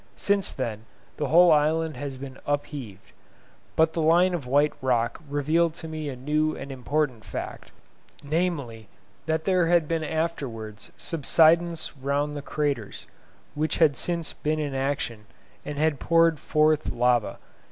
Since then the whole island has been upheaved. But the line of white rock revealed to me a new and important fact, namely, that there had been afterwards subsidence round the craters, which had since been in action, and had poured forth lava.